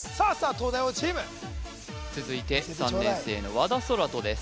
東大王チーム続いて３年生の和田空大です